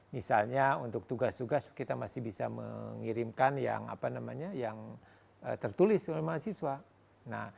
misalnya untuk tugas tugas kita masih bisa mengirimkan yang tertulis oleh mahasiswa